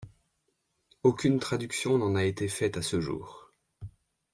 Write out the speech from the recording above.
Aucune traduction n'en a été faite à ce jour.